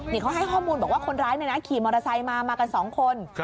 นี่เขาให้ข้อมูลบอกว่าคนร้ายขี่มอเตอร์ไซค์มามากัน๒คน